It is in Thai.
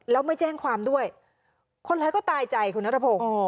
แล้วไม่แจ้งความด้วยคนร้ายก็ตายใจคุณนัทพงศ์